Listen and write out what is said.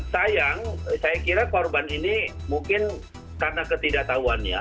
sayang saya kira korban ini mungkin karena ketidaktahuannya